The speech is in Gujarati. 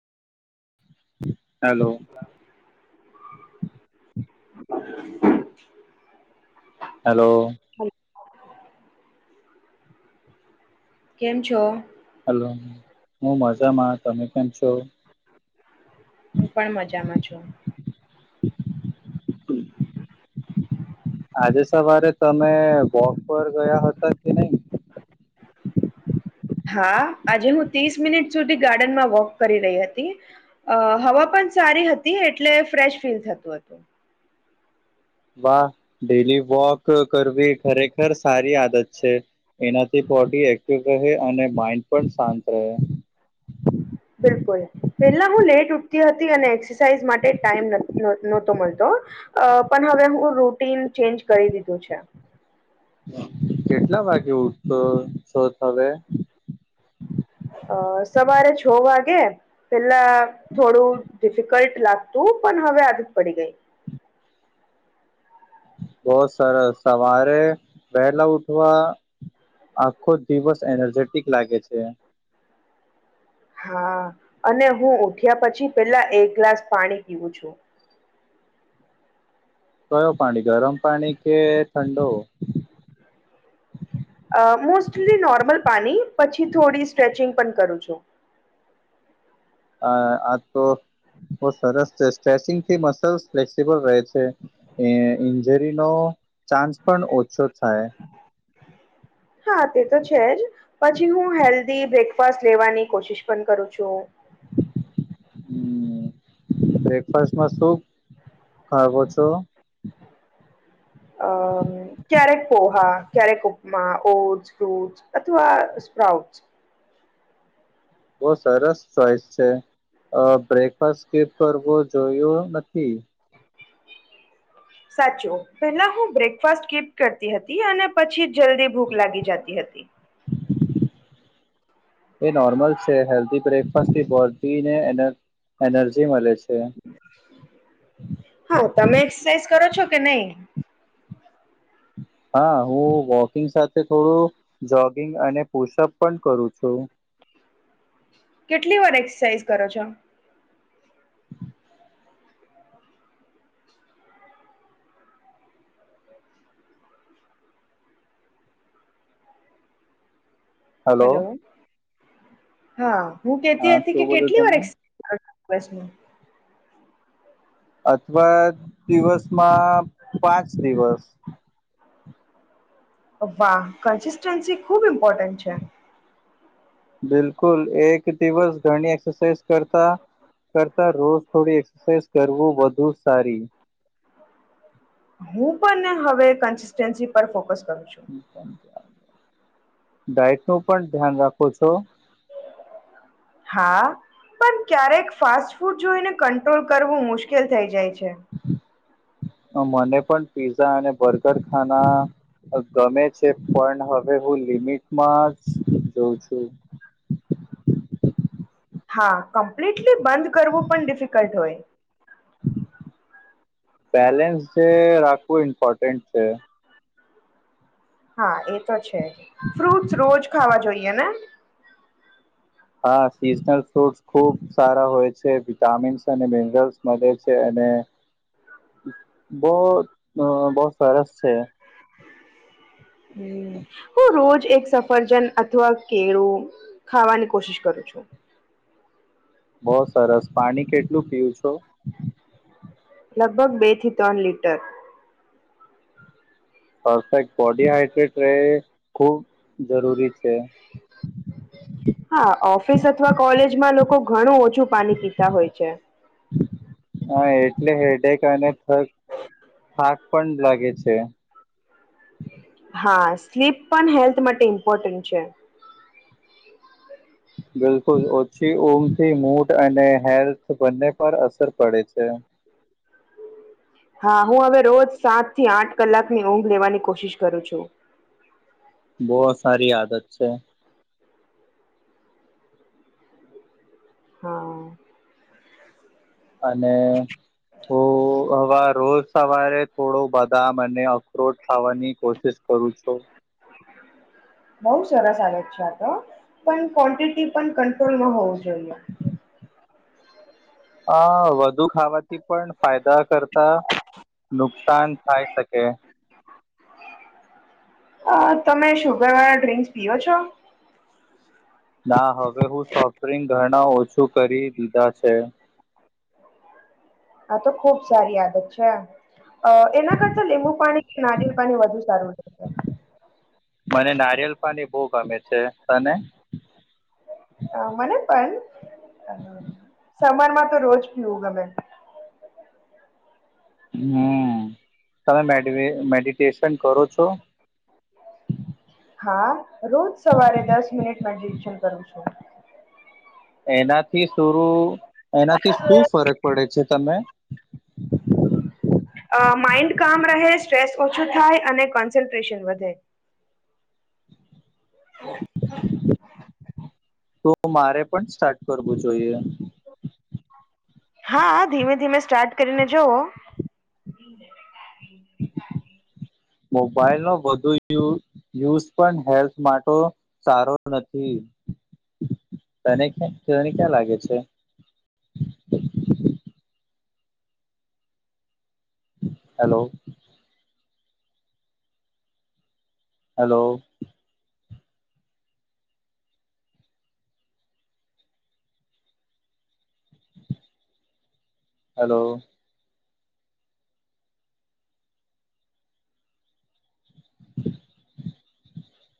હેલો. હલો. હલો કેમ છો. હેલો હું મજામાં તમે કેમ છો. હું પણ મજામાં છું. આજે સવારે તમે વોક પર ગયા હતા કે નહી. હા આજે હું ત્રીસ મિનિટ સુધી ગાર્ડનમાં વોક કરી રહી હતી અ હવા પણ સારી. હતી એટલે ફ્રેશ ફીલ થતું હતું. વાહ ડેલી વોક કરવી ખરેખર સારી આદત છે એનાથી પણ. બોડી એક્ટિવ રહે અને માઇન્ડ પણ શાંત રહે. બિલકુલ પેલા હું લેટ ઉઠતી હતી અને એક્સરસાઇઝ માટે ટાઈમ નહોતો મળતો. તો પણ હવે હું રૂટીન ચેન્જ કરી દીધું છે. કેટલા વાગે ઉઠતો છો હવે. અ સવારે છ વાગે. પેલા થોડું ડિફિકલ્ટ લાગતું પણ હવે આદત પડી ગઈ. બહ સરસ સવારે વહેલા ઉઠવા. આખો દિવસ એનર્જેટિક લાગે છે. હા અને હું ઉઠ્યા પછી પેલા એક ગ્લાસ પાણી પીવું છું. કયો પાણી ગરમ પાણી કે ઠંડો. અ મોસ્ટલી નોર્મલ પાણી પછી થોડી સ્ટ્રેચિંગ પણ કરું છું. અ આ તો બો સરસ સ્ટ્રેચિંગથી મસલ ફ્લેક્સબલ રહે. એ ઇન્જરીનો ચાન્સ પણ ઓછો થાય. હા. તે તો છે જ પછી હું હેલ્ધી બ્રેકફાસ્ટ લેવાની કોશિશ પણ કરું છું હમ્મ બ્રેકફાસ્ટમાં શુ ખાવો છો અ ક્યારેક પોહા ક્યારેક ઉપમા ઓટ ફૂટ્સ અથવા સ્પ્રાઉટસ બો સરસ ચોઈસ છે અ બ્રેકફાસ્ટ સ્કિપ કરવો જોયો નથી સાચું પેલા હું બ્રેકફાસ્ટ સ્કિપ કરતી હતી અને પછી જલ્દી ભૂખ લાગી જતી હતી એ નોર્મલ છે હેલ્ધી બ્રેકફાસ્ટ થી [unintelligible] અને એનર્જી એનર્જી મળે છે હા તમે એક્સરસાઇઝ કરો છો કે નહી હા હું વોકિંગ સાથે થોડું જોગિંગ અને પુશઅપ પણ કરું છું કેટલી વાર એક્સરસાઇઝ કરો છો. હલો હા હું કેતી હા હતી શું કે બોલ્યું કેટલી વાર. તમે વસનું. અથવા દિવસમાં પાંચ દિવસ. વાહ કન્સિસ્ટન્સી ખુબ ઇમ્પોર્ટન્ટ છે. બિલકુલ એક દિવસ ઘણી એક્સરસાઇઝ. કરતા રોજ થોડી એક્સરસાઇઝ કરવું વધુ સારી. હમ હવે કન્સિસ્ટન્સી પર ફોકસ. કરું છું ડાયટ નું પણ ધ્યાન રાખો છો. આ પણ ક્યારેક ફાસ્ટ ફૂડ જોઈને કંટ્રોલ કરવું મુશ્કેલ થઈ જાય છે. મને પણ પીઝા અને બર્ગર ખાના ગમે છે પણ હવે હું લિમિટમાં જ જોઉં છું. [inaudible] હા કમ્પ્લીટલી બંધ કરવું પણ ડિફિકલ્ટ હોય બેલેન્સ જે રાખવું ઇમ્પોર્ટન્ટ છે હા એ તો છે જ ફ્રૂટ્સ રોજ ખાવા જોઈએ ને હા સિઝનલ ફ્રૂટસ ખુબ સારા હોય છે વિટામીન્સ અને મિનરલ્સ મળે છે અને બહ બહ સરસ છે [inaudible] હ હું રોજ એક સફરજન અથવા કેળું ખાવાની કોશિશ કરું. પૂછો બહ સરસ પાણી કેટલું પીવુ છું લગભગ બે થી ત્રણ લીટર. પરફેક્ટ બોડી હાઈડ્રેટ રહે ખુબ જરૂરી છે. [inaudible] હા ઓફિસ અથવા કોલેજમાં લોકો ઘણું ઓછુ. હા એટલે હેડેક અને થગ થાક પણ લાગે છે. હા સ્લીપ પણ હેલ્થ માટે ઇમ્પોર્ટન્ટ છે. બિલકુલ ઓછી ઉંમથી મૂટ અને હેલ્થ બંને પર અસર પડે છે. હા હું હવે રોજ સાત થી આઠ કલાકની ઊંઘ લેવાની કોશિશ કરું છું. બો સારી આદત છે. હા. અને ઓ હવે રોજ. સવારે થોડો બદામ અને અખરોટ ખાવાની કોશિશ કરું છું. [inaudible] બઉુ સરસ આવે છે આ તો પણ ક્વોન્ટિટી પણ કંટ્રોલમાં હોવું જોઈએ. [inaudible] અ વધુ ખાવાથી પણ ફાયદા કરતા. નુકસાન થાય શકે. અ તમે શુગર વાળા ડ્રિંક્સ પીઓ છો. ના હવે હું સોફ્ટ ડ્રિંક ઘણા ઓછું કરી દીધા છે. [inaudible] આ તો ખુબ સારી આદત છે. અ એના કરતા લીંબુ પાણી કે નાદિય પાણી વધુ સારું રહેશે. મને નારિયળ પાણી બહુ ગમે છે તને. અ મને પણ [inaudible] સમરમાં તો રોજ પીવું ગમે. હ, તમે મેડીને મેડિટેશન કરો છો? [inaudible] હા, રોજ સવારે દસ મિનિટ મેડિટેશન કરું છું. એનાથી થોડું, એનાથી શું ફરક પડે છે તમે? માઈન્ડ કામ રહે સ્ટ્રેસ ઓછું થાય, અને કોન્સન્ટ્રેશન વધે. [inaudible] તો મારે પણ સ્ટાર્ટ કરવું જોઈએ. હા ધીમે ધીમે સ્ટાર્ટ કરીને જોવો. [inaudible] મોબાઈલ નો વધુ યુ યુઝ પણ હેલ્થ માટો સારો નથી. તને તને ક્યાં લાગે છે? Hello hello hello. [inaudible]